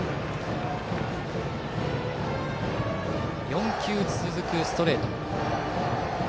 ４球続けてストレート。